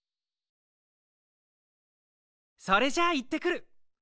それじゃいってくる。